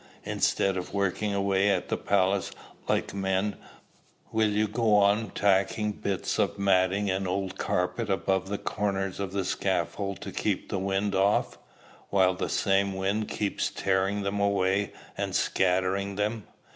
Instead of working away at the palace, like men, will you go on tacking bits of matting and old carpet about the corners of the scaffold to keep the wind off, while that same wind keeps tearing them away and scattering them?